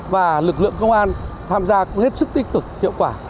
và lực lượng công an tham gia cũng hết sức tích cực hiệu quả